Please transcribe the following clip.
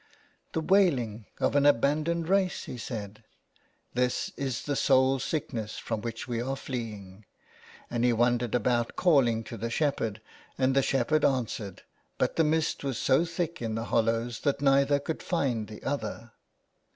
" The wailing of an abandoned race," he said. " This is the soul sickness from which we are fleeing." And he wandered about calling to the shep herd, and the shepherd answered, but the mist was so thick in the hollows that neither could find the other.